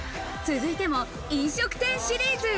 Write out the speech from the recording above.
続いても飲食店シリーズ。